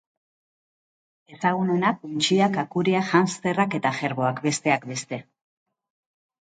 Ezagunenak untxiak, akuriak, hamsterrak eta jerboak, besteak beste.